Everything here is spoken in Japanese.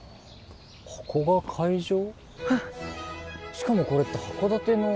しかもこれって函館の。